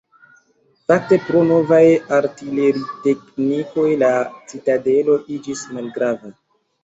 Fakte pro novaj artileriteknikoj la citadelo iĝis malgrava.